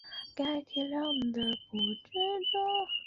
本县的第一个县治为帕拉克利夫特。